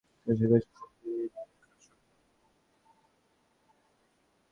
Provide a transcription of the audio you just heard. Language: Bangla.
কুসুম ভীরুকষ্ঠে বলে, সর্দি ঠিক তো ছোটবাবু?